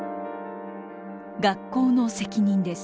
学校の責任です。